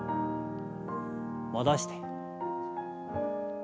戻して。